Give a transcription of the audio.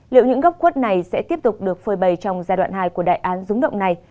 liệu những góc quất này sẽ tiếp tục được phơi bầy trong giai đoạn hai của đại án rúng động này